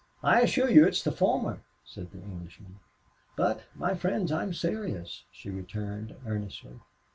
"I assure you it's the former," said the Englishman. "But, my friends, I'm serious," she returned, earnestly.